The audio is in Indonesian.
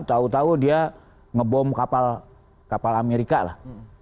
tahu tahu dia ngebom kapal amerika lah